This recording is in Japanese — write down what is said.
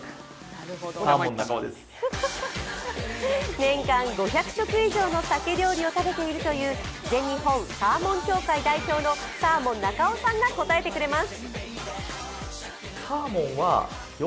年間５００食以上の鮭料理を食べているという全日本サーモン協会のサーモン中尾さんが答えてくれます。